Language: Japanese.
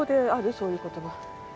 そういう言葉。